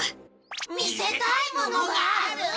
見せたいものがある！？